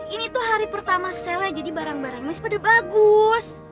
ini tuh hari pertama sale nya jadi barang barangnya sepeda bagus